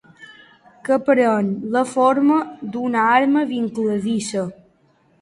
Que pren la forma d'una arma vincladissa.